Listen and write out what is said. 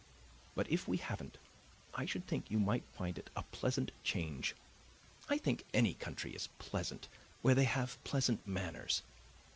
But if we haven't, I should think you might find it a pleasant change I think any country is pleasant where they have pleasant manners.